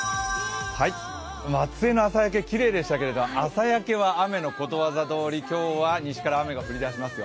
松江の朝焼け、きれいでしたけれど、朝焼けは雨のことわざどおり今日は西から雨が降りだしますよ。